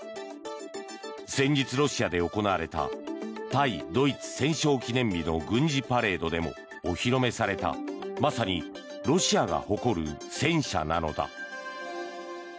先日、ロシアで行われた対ドイツ戦勝記念日の軍事パレードでもお披露目されたまさにロシアが誇る戦車なのだ。